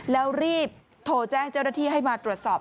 แล้วรีบโทรแจ้งเจ้าหน้าที่ให้มาตรวจสอบ